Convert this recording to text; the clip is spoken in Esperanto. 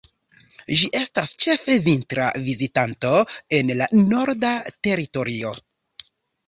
Ĝi estas ĉefe vintra vizitanto en la Norda Teritorio.